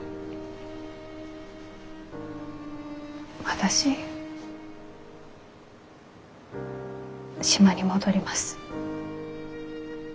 私島に戻ります。